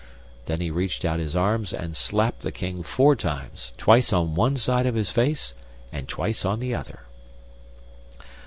Then he reached out his arms and slapped the king four times, twice on one side of his face and twice on the other.